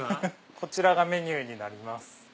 こちらがメニューになります。